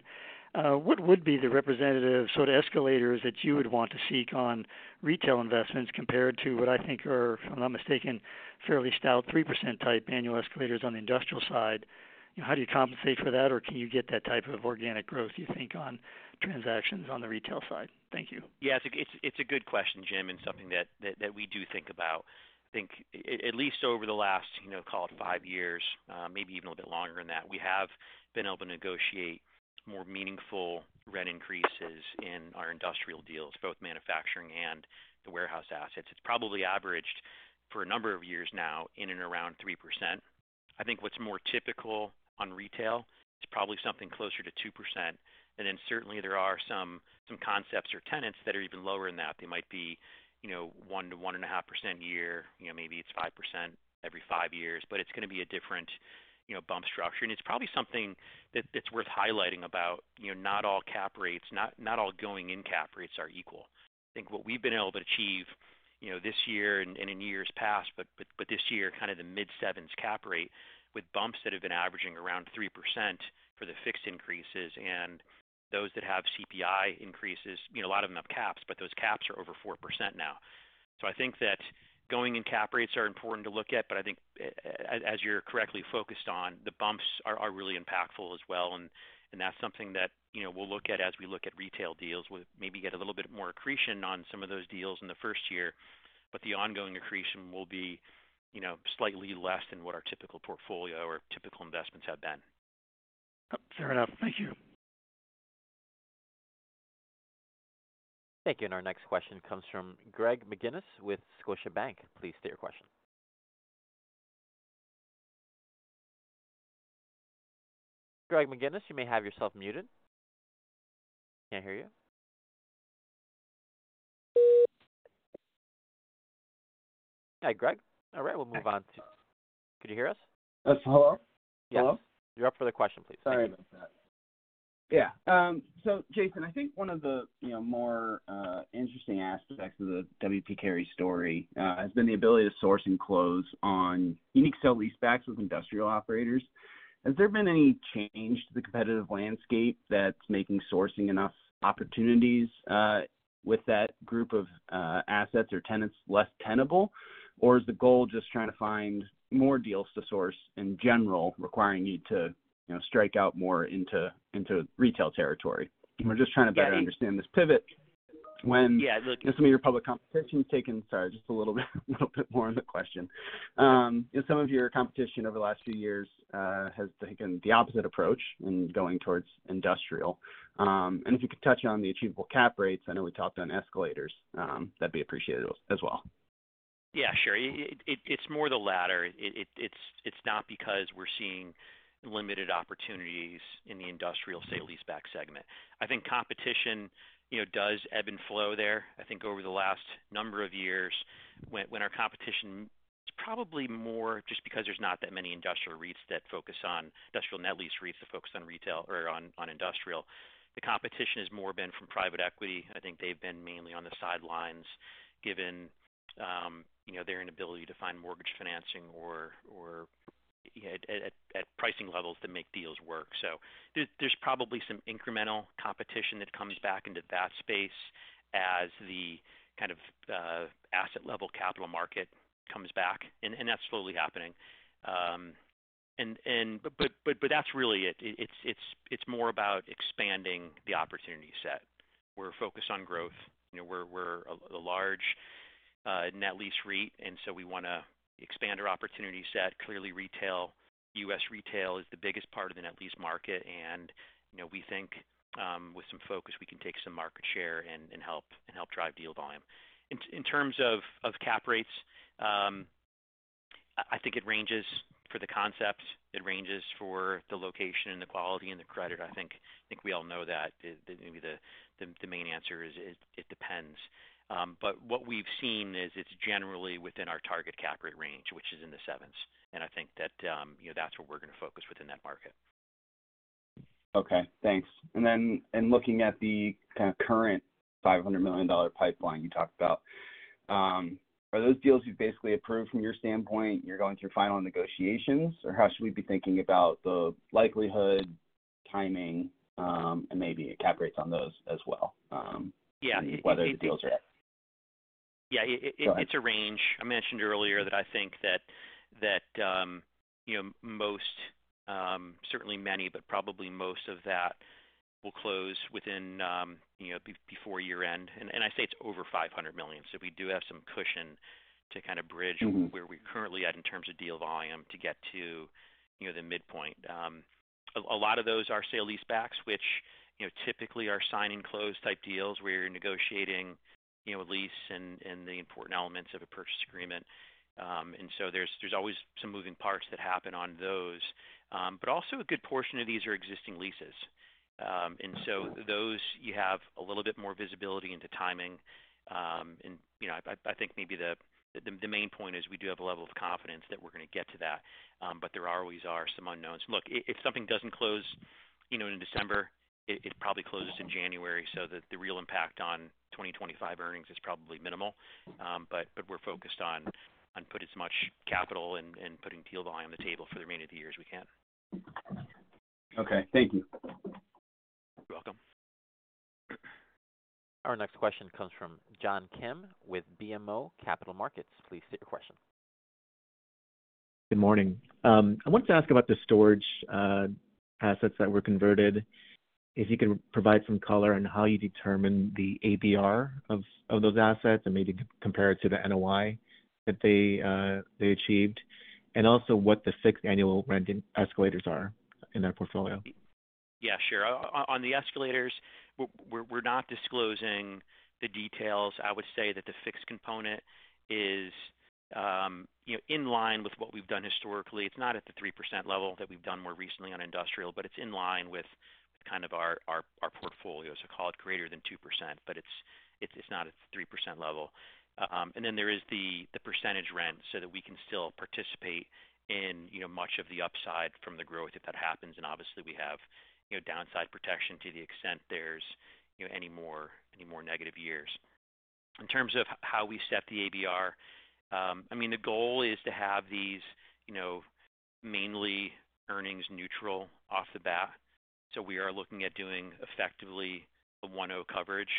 what would be the representative sort of escalators that you would want to seek on retail investments compared to what I think are, if I'm not mistaken, fairly stout 3% type annual escalators on the industrial side? How do you compensate for that, or can you get that type of organic growth, do you think, on transactions on the retail side? Thank you. Yeah. It's a good question, Jim, and something that we do think about. I think at least over the last, call it, five years, maybe even a little bit longer than that, we have been able to negotiate more meaningful rent increases in our industrial deals, both manufacturing and the warehouse assets. It's probably averaged for a number of years now in and around 3%. I think what's more typical on retail is probably something closer to 2%. And then certainly, there are some concepts or tenants that are even lower than that. They might be 1%-1.5% a year. Maybe it's 5% every five years, but it's going to be a different bump structure. And it's probably something that's worth highlighting about not all cap rates, not all going-in cap rates are equal. I think what we've been able to achieve this year and in years past, but this year, kind of the mid-sevens cap rate with bumps that have been averaging around 3% for the fixed increases and those that have CPI increases. A lot of them have caps, but those caps are over 4% now. So I think that going-in cap rates are important to look at, but I think, as you're correctly focused on, the bumps are really impactful as well. And that's something that we'll look at as we look at retail deals. We maybe get a little bit more accretion on some of those deals in the first year, but the ongoing accretion will be slightly less than what our typical portfolio or typical investments have been. Fair enough. Thank you. Thank you. And our next question comes from Greg McGinnis with Scotiabank. Please state your question. Greg McGinnis, you may have yourself muted. Can't hear you. Hi, Greg. All right. We'll move on to. Could you hear us? Hello? Yes. You're up for the question, please. Sorry about that. Yeah. So, Jason, I think one of the more interesting aspects of the W. P. Carey story has been the ability to source and close on unique sale-leasebacks with industrial operators. Has there been any change to the competitive landscape that's making sourcing enough opportunities with that group of assets or tenants less tenable, or is the goal just trying to find more deals to source in general, requiring you to strike out more into retail territory? We're just trying to better understand this pivot when some of your public competition's taken. Sorry, just a little bit more on the question. Some of your competition over the last few years has taken the opposite approach in going towards industrial. And if you could touch on the achievable cap rates, I know we talked on escalators. That'd be appreciated as well. Yeah. Sure. It's more the latter. It's not because we're seeing limited opportunities in the industrial sale-leaseback segment. I think competition does ebb and flow there. I think over the last number of years, when our competition, it's probably more just because there's not that many industrial REITs that focus on industrial net lease REITs that focus on retail or on industrial. The competition has more been from private equity. I think they've been mainly on the sidelines given their inability to find mortgage financing or at pricing levels to make deals work. So there's probably some incremental competition that comes back into that space as the kind of asset-level capital market comes back. And that's slowly happening. But that's really it. It's more about expanding the opportunity set. We're focused on growth. We're a large net lease REIT, and so we want to expand our opportunity set. Clearly, retail, U.S. retail is the biggest part of the net lease market, and we think with some focus, we can take some market share and help drive deal volume. In terms of cap rates, I think it ranges for the concept. It ranges for the location and the quality and the credit. I think we all know that maybe the main answer is it depends. But what we've seen is it's generally within our target cap rate range, which is in the sevens. I think that that's where we're going to focus within that market. Okay. Thanks. And then in looking at the kind of current $500 million pipeline you talked about, are those deals you've basically approved from your standpoint, you're going through final negotiations, or how should we be thinking about the likelihood, timing, and maybe cap rates on those as well, whether the deals are? Yeah. It's a range. I mentioned earlier that I think that most, certainly many, but probably most of that will close within before year-end. And I say it's over $500 million. So we do have some cushion to kind of bridge where we're currently at in terms of deal volume to get to the midpoint. A lot of those are sale-leasebacks, which typically are sign-and-close type deals where you're negotiating lease and the important elements of a purchase agreement. And so there's always some moving parts that happen on those. But also a good portion of these are existing leases. And so those, you have a little bit more visibility into timing. And I think maybe the main point is we do have a level of confidence that we're going to get to that, but there always are some unknowns. Look, if something doesn't close in December, it probably closes in January. So the real impact on 2025 earnings is probably minimal. But we're focused on putting as much capital and putting deal volume on the table for the remainder of the year as we can. Okay. Thank you. You're welcome. Our next question comes from John Kim with BMO Capital Markets. Please state your question. Good morning. I wanted to ask about the storage assets that were converted, if you could provide some color on how you determine the ABR of those assets and maybe compare it to the NOI that they achieved, and also what the fixed annual rent escalators are in their portfolio. Yeah. Sure. On the escalators, we're not disclosing the details. I would say that the fixed component is in line with what we've done historically. It's not at the 3% level that we've done more recently on industrial, but it's in line with kind of our portfolio. So call it greater than 2%, but it's not at the 3% level. And then there is the percentage rent so that we can still participate in much of the upside from the growth if that happens. And obviously, we have downside protection to the extent there's any more negative years. In terms of how we set the ABR, I mean, the goal is to have these mainly earnings neutral off the bat. So we are looking at doing effectively a 1.0 coverage.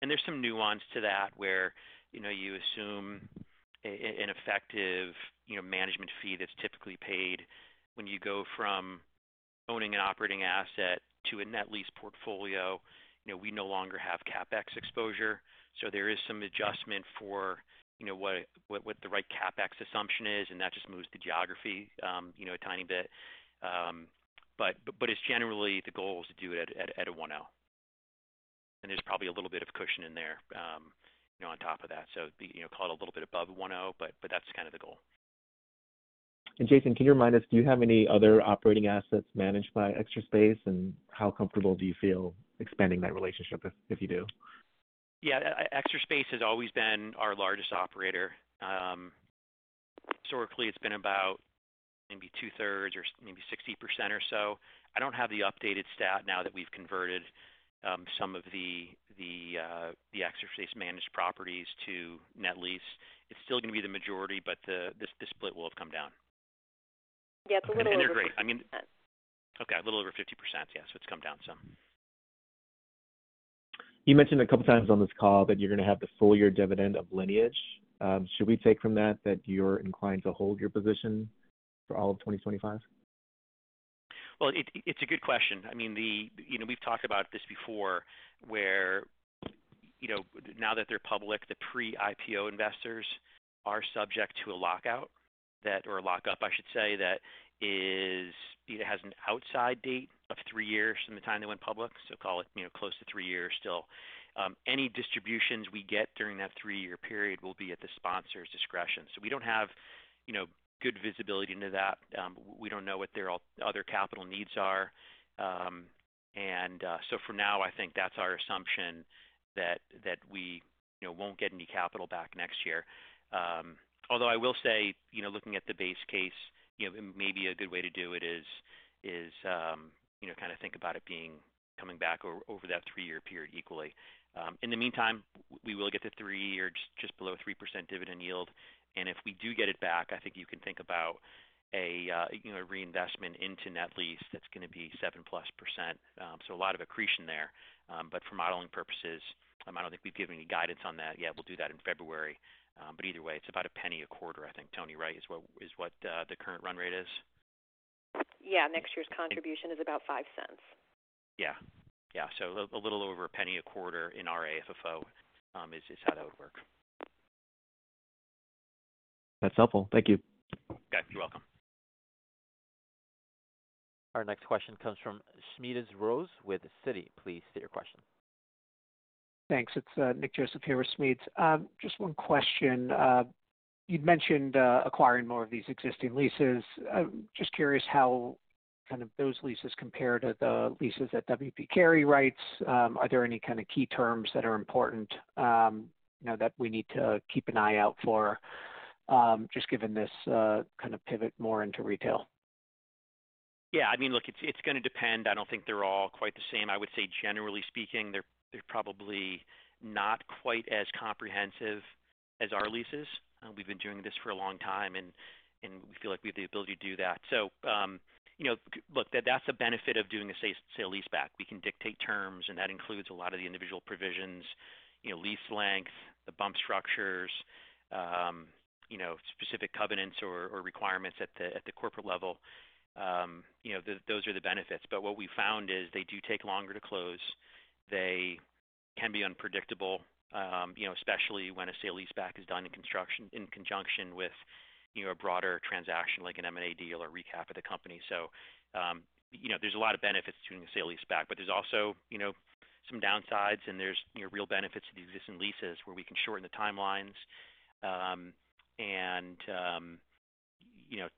And there's some nuance to that where you assume an effective management fee that's typically paid when you go from owning an operating asset to a net lease portfolio. We no longer have CapEx exposure. So there is some adjustment for what the right CapEx assumption is, and that just moves the geography a tiny bit. But it's generally the goal is to do it at a 1.0. And there's probably a little bit of cushion in there on top of that. So call it a little bit above 1.0, but that's kind of the goal. And Jason, can you remind us? Do you have any other operating assets managed by Extra Space, and how comfortable do you feel expanding that relationship if you do? Yeah. Extra Space has always been our largest operator. Historically, it's been about maybe two-thirds or maybe 60% or so. I don't have the updated stat now that we've converted some of the Extra Space-managed properties to net lease. It's still going to be the majority, but the split will have come down. Yeah. It's a little over 50%. I mean, okay, a little over 50%. Yeah. So it's come down some. You mentioned a couple of times on this call that you're going to have the full-year dividend of Lineage. Should we take from that that you're inclined to hold your position for all of 2025? Well, it's a good question. I mean, we've talked about this before where now that they're public, the pre-IPO investors are subject to a lockout or a lockup, I should say, that has an outside date of three years from the time they went public. So call it close to three years still. Any distributions we get during that three-year period will be at the sponsor's discretion. So we don't have good visibility into that. We don't know what their other capital needs are. And so for now, I think that's our assumption that we won't get any capital back next year. Although I will say, looking at the base case, maybe a good way to do it is kind of think about it coming back over that three-year period equally. In the meantime, we will get the three-year just below 3% dividend yield. And if we do get it back, I think you can think about a reinvestment into net lease that's going to be 7+ percent. So a lot of accretion there. But for modeling purposes, I don't think we've given any guidance on that yet. We'll do that in February. But either way, it's about a penny a quarter, I think, Toni, right, is what the current run rate is? Yeah. Next year's contribution is about 5 cents. Yeah. Yeah. So a little over a penny a quarter in our AFFO is how that would work. That's helpful. Thank you. Okay. You're welcome. Our next question comes from Smedes Rose with Citi. Please state your question. Thanks. It's Nick Joseph here with Smedes. Just one question. You'd mentioned acquiring more of these existing leases. Just curious how kind of those leases compare to the leases that W. P. Carey writes. Are there any kind of key terms that are important that we need to keep an eye out for just given this kind of pivot more into retail? Yeah. I mean, look, it's going to depend. I don't think they're all quite the same. I would say, generally speaking, they're probably not quite as comprehensive as our leases. We've been doing this for a long time, and we feel like we have the ability to do that. So look, that's the benefit of doing a sale-leaseback. We can dictate terms, and that includes a lot of the individual provisions, lease length, the bump structures, specific covenants or requirements at the corporate level. Those are the benefits. But what we found is they do take longer to close. They can be unpredictable, especially when a sale-leaseback is done in conjunction with a broader transaction like an M&A deal or recap of the company. There's a lot of benefits to doing a sale-leaseback, but there's also some downsides, and there's real benefits to the existing leases where we can shorten the timelines.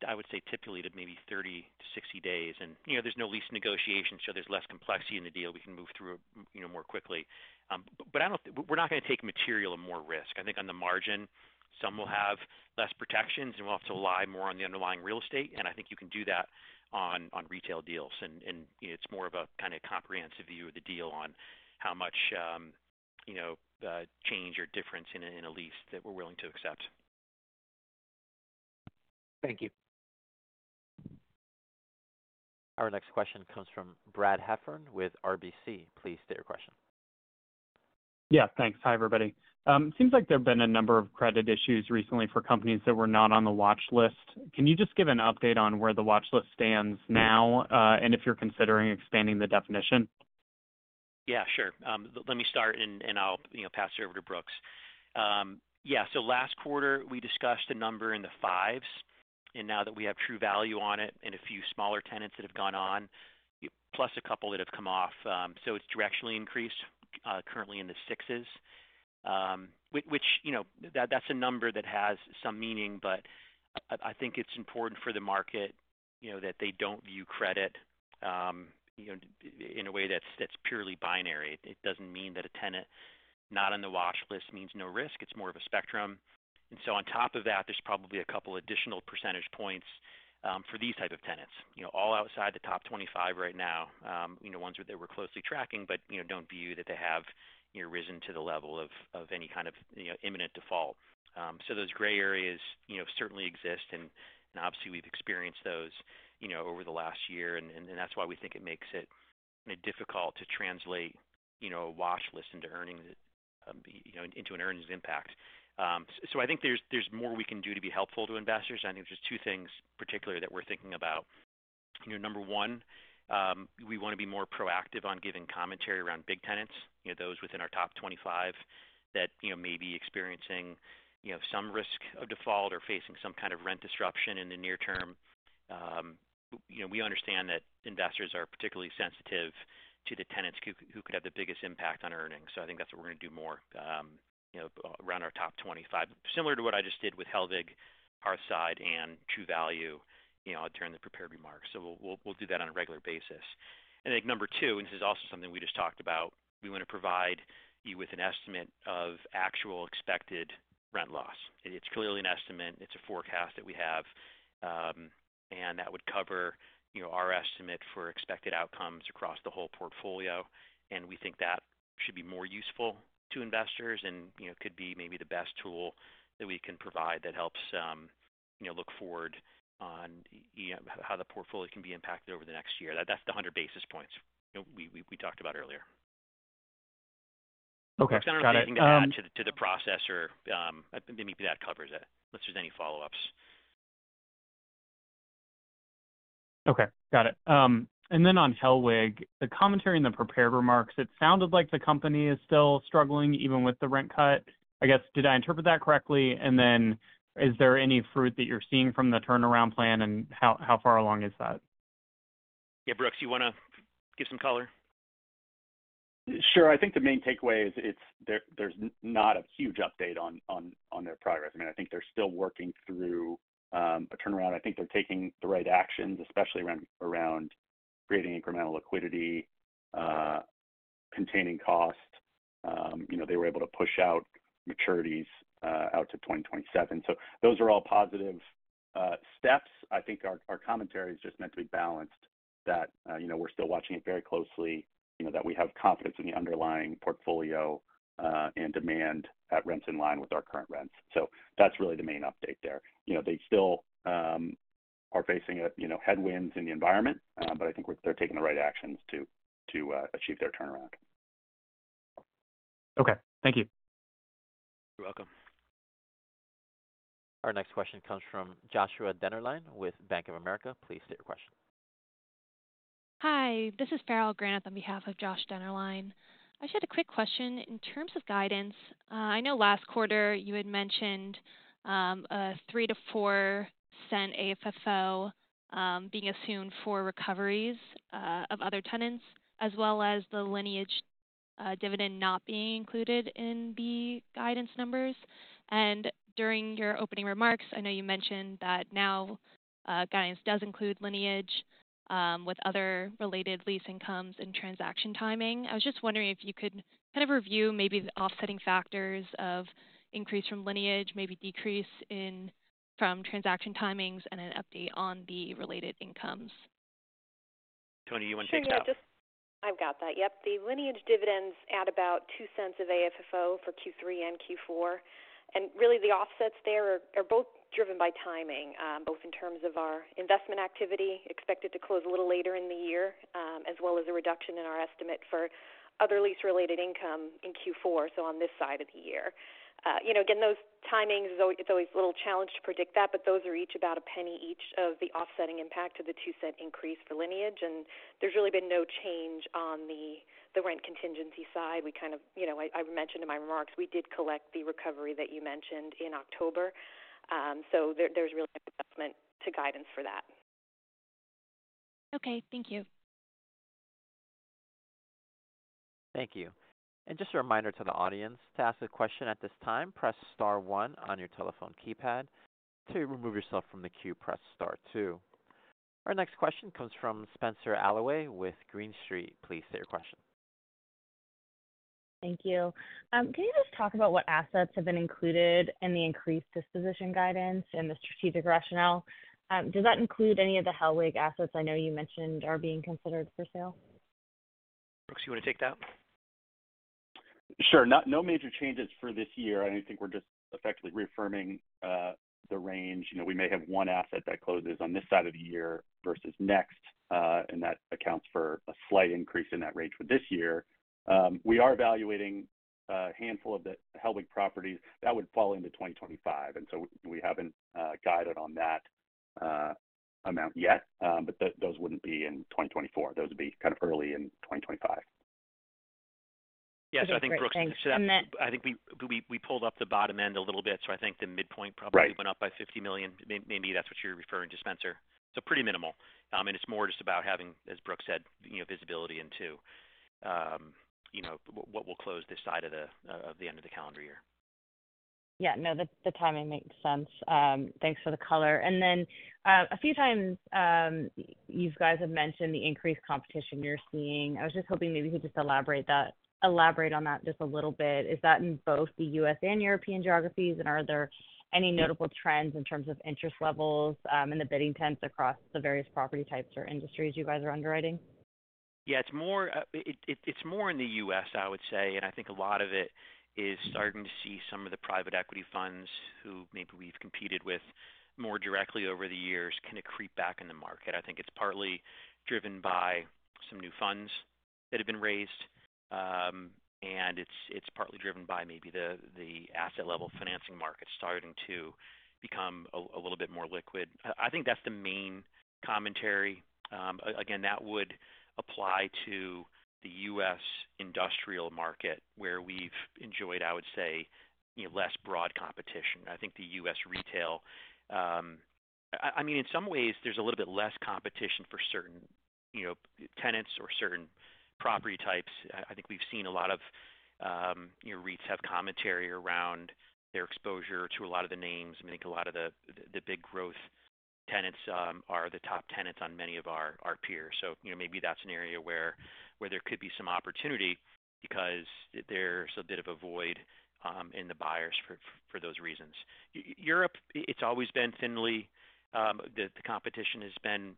I would say typically to maybe 30 to 60 days. There's no lease negotiation, so there's less complexity in the deal. We can move through more quickly. We're not going to take materially more risk. I think on the margin, some will have less protections, and we'll have to rely more on the underlying real estate. I think you can do that on retail deals. It's more of a kind of comprehensive view of the deal on how much change or difference in a lease that we're willing to accept. Thank you. Our next question comes from Brad Heffern with RBC. Please state your question. Yeah. Thanks. Hi, everybody. It seems like there have been a number of credit issues recently for companies that were not on the watch list. Can you just give an update on where the watch list stands now and if you're considering expanding the definition? Yeah. Sure. Let me start, and I'll pass it over to Brooks. Yeah. So last quarter, we discussed a number in the fives. And now that we have True Value on it and a few smaller tenants that have gone on, plus a couple that have come off, so it's directionally increased, currently in the sixes, which that's a number that has some meaning. But I think it's important for the market that they don't view credit in a way that's purely binary. It doesn't mean that a tenant not on the watch list means no risk. It's more of a spectrum. And so on top of that, there's probably a couple of additional percentage points for these types of tenants. All outside the top 25 right now, ones that we're closely tracking, but don't view that they have risen to the level of any kind of imminent default. So those gray areas certainly exist. And obviously, we've experienced those over the last year. And that's why we think it makes it difficult to translate a watch list into an earnings impact. So I think there's more we can do to be helpful to investors. I think there's two things particularly that we're thinking about. Number one, we want to be more proactive on giving commentary around big tenants, those within our top 25 that may be experiencing some risk of default or facing some kind of rent disruption in the near term. We understand that investors are particularly sensitive to the tenants who could have the biggest impact on earnings. So I think that's what we're going to do more around our top 25, similar to what I just did with Hellweg, Parkside, and True Value during the prepared remarks. So we'll do that on a regular basis. And I think number two, and this is also something we just talked about, we want to provide you with an estimate of actual expected rent loss. It's clearly an estimate. It's a forecast that we have. And that would cover our estimate for expected outcomes across the whole portfolio. We think that should be more useful to investors and could be maybe the best tool that we can provide that helps look forward on how the portfolio can be impacted over the next year. That's the 100 basis points we talked about earlier. Okay. Got it. I think that adds to the prospectus. Maybe that covers it unless there's any follow-ups. Okay. Got it. And then on Hellweg, the commentary in the prepared remarks, it sounded like the company is still struggling even with the rent cut. I guess, did I interpret that correctly? And then is there any fruit that you're seeing from the turnaround plan, and how far along is that? Yeah. Brooks, you want to give some color? Sure. I think the main takeaway is there's not a huge update on their progress. I mean, I think they're still working through a turnaround. I think they're taking the right actions, especially around creating incremental liquidity, containing cost. They were able to push out maturities out to 2027. So those are all positive steps. I think our commentary is just meant to be balanced that we're still watching it very closely, that we have confidence in the underlying portfolio and demand at rents in line with our current rents. So that's really the main update there. They still are facing headwinds in the environment, but I think they're taking the right actions to achieve their turnaround. Okay. Thank you. You're welcome. Our next question comes from Joshua Dennerlein with Bank of America. Please state your question. Hi. This is Farrah O'Gara on behalf of Josh Dennerlein. I just had a quick question. In terms of guidance, I know last quarter you had mentioned a $0.03-$0.04 AFFO being assumed for recoveries of other tenants, as well as the Lineage dividend not being included in the guidance numbers, and during your opening remarks, I know you mentioned that now guidance does include Lineage with other related lease incomes and transaction timing. I was just wondering if you could kind of review maybe the offsetting factors of increase from Lineage, maybe decrease from transaction timings, and an update on the related incomes. Toni, you want to take that? Yeah. I've got that. Yep. The Lineage dividends add about $0.02 of AFFO for Q3 and Q4. Really, the offsets there are both driven by timing, both in terms of our investment activity expected to close a little later in the year, as well as a reduction in our estimate for other lease-related income in Q4, so on this side of the year. Again, those timings, it's always a little challenge to predict that, but those are each about $0.01 each of the offsetting impact of the $0.02 increase for Lineage. There's really been no change on the rent contingency side. We kind of, I mentioned in my remarks, we did collect the recovery that you mentioned in October. So there's really no adjustment to guidance for that. Okay. Thank you. Thank you. Just a reminder to the audience to ask a question at this time, press star 1 on your telephone keypad. To remove yourself from the queue, press star 2. Our next question comes from Spenser Allaway with Green Street. Please state your question. Thank you. Can you just talk about what assets have been included in the increased disposition guidance and the strategic rationale? Does that include any of the Hellweg assets I know you mentioned are being considered for sale? Brooks, you want to take that? Sure. No major changes for this year. I think we're just effectively reaffirming the range. We may have one asset that closes on this side of the year versus next, and that accounts for a slight increase in that range for this year. We are evaluating a handful of the Hellweg properties that would fall into 2025. And so we haven't guided on that amount yet, but those wouldn't be in 2024. Those would be kind of early in 2025. Yeah. So I think, Brooks, I think we pulled up the bottom end a little bit. So I think the midpoint probably went up by $50 million. Maybe that's what you're referring to, Spenser. So pretty minimal. And it's more just about having, as Brooks said, visibility into what will close this side of the end of the calendar year. Yeah. No, the timing makes sense. Thanks for the color. And then a few times you guys have mentioned the increased competition you're seeing. I was just hoping maybe you could just elaborate on that just a little bit. Is that in both the U.S. and European geographies? And are there any notable trends in terms of interest levels in the bidding tenants across the various property types or industries you guys are underwriting? Yeah. It's more in the U.S., I would say. And I think a lot of it is starting to see some of the private equity funds who maybe we've competed with more directly over the years kind of creep back in the market. I think it's partly driven by some new funds that have been raised. And it's partly driven by maybe the asset-level financing market starting to become a little bit more liquid. I think that's the main commentary. Again, that would apply to the U.S. industrial market where we've enjoyed, I would say, less broad competition. I think the U.S. retail, I mean, in some ways, there's a little bit less competition for certain tenants or certain property types. I think we've seen a lot of REITs have commentary around their exposure to a lot of the names. I mean, I think a lot of the big growth tenants are the top tenants on many of our peers. So maybe that's an area where there could be some opportunity because there's a bit of a void in the buyers for those reasons. Europe, it's always been thin. The competition has been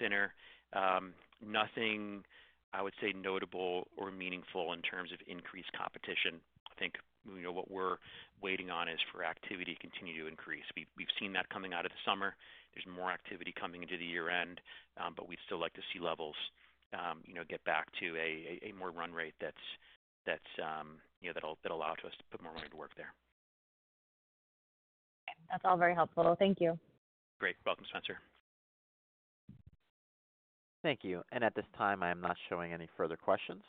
thinner. Nothing, I would say, notable or meaningful in terms of increased competition. I think what we're waiting on is for activity to continue to increase. We've seen that coming out of the summer. There's more activity coming into the year-end, but we'd still like to see levels get back to a more run rate that'll allow us to put more money to work there. Okay. That's all very helpful. Thank you. Great. Welcome, Spenser. Thank you. And at this time, I am not showing any further questions.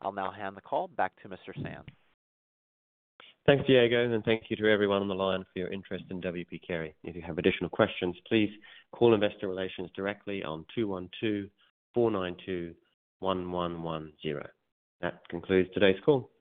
I'll now hand the call back to Mr. Sands. Thanks, Diego, and thank you to everyone on the line for your interest in W. P. Carey. If you have additional questions, please call Investor Relations directly on 212-492-1110. That concludes today's call.